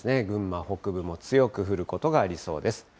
群馬北部も強く降ることがありそうです。